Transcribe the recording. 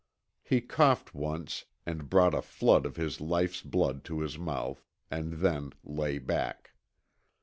He coughed once, and brought a flood of his life's blood to his mouth, and then lay back.